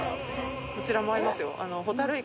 こちらもありますよ。